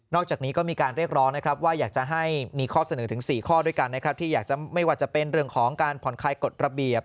อกจากนี้ก็มีการเรียกร้องนะครับว่าอยากจะให้มีข้อเสนอถึง๔ข้อด้วยกันนะครับที่อยากจะไม่ว่าจะเป็นเรื่องของการผ่อนคลายกฎระเบียบ